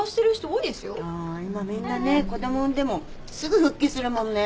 今みんなね子供産んでもすぐ復帰するもんね。